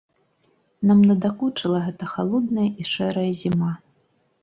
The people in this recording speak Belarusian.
Нам надакучыла гэтая халодная і шэрая зіма.